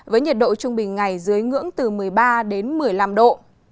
với nhiệt độ trung bình ngày dưới ngưỡng từ một mươi ba đến một mươi năm độ